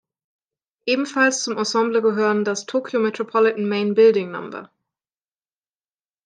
Ebenfalls zum Ensemble gehören das "Tokyo Metropolitan Main Building No.